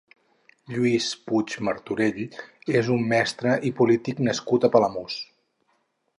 Lluís Puig Martorell és un mestre i polític nascut a Palamós.